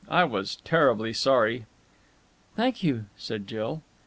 I was terribly sorry." "Thank you," said Jill.